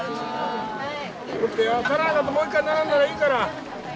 足らんかったらもう一回並んだらいいから。